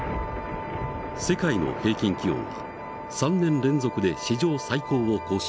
世界の平均気温は３年連続で史上最高を更新。